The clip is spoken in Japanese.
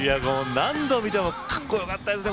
何度見てもかっこよかったですね。